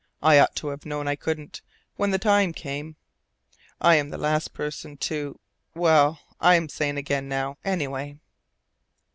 I ought to have known I couldn't, when the time came. I'm the last person to well, I'm sane again now, anyway!"